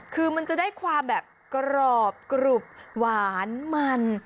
คือมันจะได้ความแบบกรอบกรุบหวานมัน